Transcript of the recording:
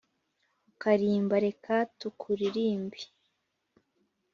Ukarimba reka tukuririmbe